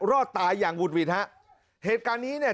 รอดตายอย่างหุดหวิดฮะเหตุการณ์นี้เนี่ย